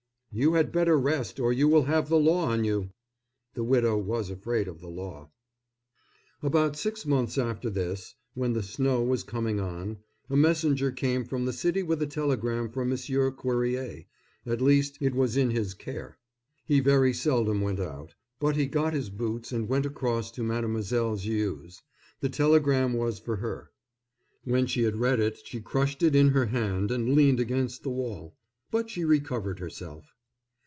"You had better rest, or you will have the law on you." The widow was afraid of the law. About six months after this, when the snow was coming on, a messenger came from the city with a telegram for Monsieur Cuerrier—at least, it was in his care. He very seldom went out, but he got his boots and went across to Mademoiselle Viau's. The telegram was for her. When she had read it she crushed it in her hand and leaned against the wall. But she recovered herself.